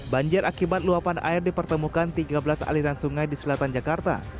banjir akibat luapan air dipertemukan tiga belas aliran sungai di selatan jakarta